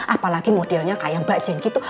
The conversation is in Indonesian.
apalagi modelnya kayak mbak jen gitu